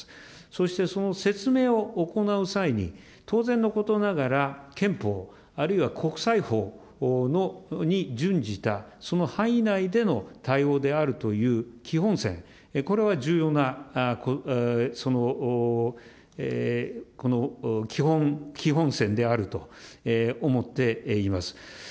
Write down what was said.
そしてその説明を行う際に、当然のことながら、憲法、あるいは国際法上に準じた、その範囲内での対応であるという基本線、これは重要な基本線であると思っています。